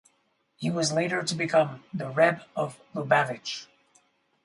He was later to become the Rebbe of Lubavitch.